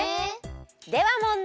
では問題！